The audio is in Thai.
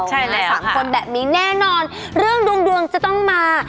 ใช่แล้วสามคนแบบนี้แน่นอนเรื่องดวงดวงจะต้องมา